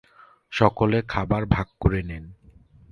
সকলে খাবার ভাগ করে নেন।